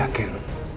dan gue yakin